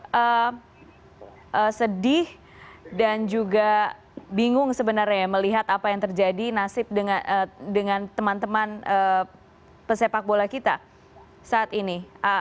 saya sedih dan juga bingung sebenarnya melihat apa yang terjadi nasib dengan teman teman pesepak bola kita saat ini